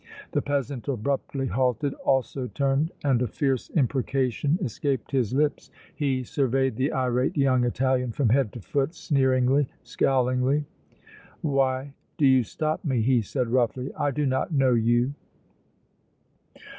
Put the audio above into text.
The peasant abruptly halted, also turned, and a fierce imprecation escaped his lips. He surveyed the irate young Italian from head to foot, sneeringly, scowlingly. "Why, do you stop me?" he said, roughly. "I do not know you."